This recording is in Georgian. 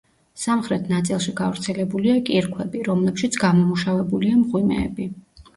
სამხრეთ ნაწილში გავრცელებულია კირქვები, რომლებშიც გამომუშავებულია მღვიმეები.